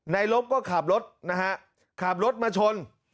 ลบก็ขับรถนะฮะขับรถมาชน